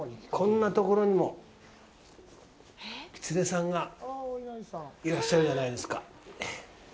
こんなところにもキツネさんがいらっしゃるじゃないですか。